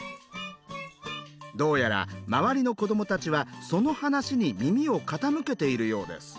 どうやら周りの子どもたちはその話に耳を傾けているようです。